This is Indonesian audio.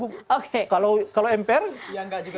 ya nggak juga gitu